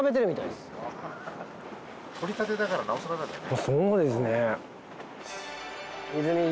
取りたてだからなおさらなんだよね。